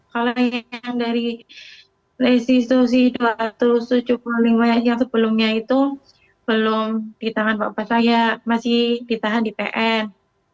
kalau yang dari restitusi dua ratus tujuh puluh lima yang sebelumnya itu belum di tangan bapak saya masih ditahan di pn